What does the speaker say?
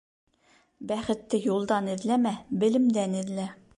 Бәхетте юлдан эҙләмә, белемдән эҙлә.